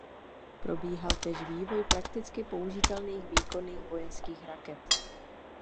Probíhal též vývoj prakticky použitelných výkonných vojenských raket.